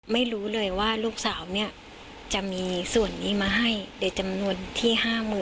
ไม่รู้เลยว่าลูกสาวเนี่ยจะมีส่วนนี้มาให้โดยจำนวนที่๕๐๐๐